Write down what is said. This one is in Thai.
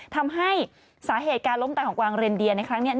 ทำให้สาเหตุการล้มตายของกวางเรนเดียในครั้งนี้